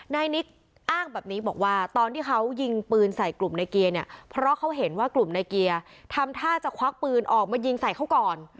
นายนิกอ้างแบบนี้บอกว่าตอนที่เขายิงปืนใส่กลุ่มในเกียร์เนี่ยเพราะเขาเห็นว่ากลุ่มในเกียร์ทำท่าจะควักปืนออกมายิงใส่เขาก่อน